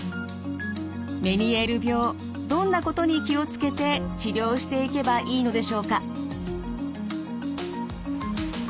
どんなことに気を付けて治療していけばいいのでしょうか。